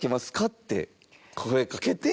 って声かけて。